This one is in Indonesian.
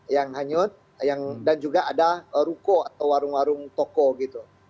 yang hanyut dan juga ada ruko atau warung warung toko gitu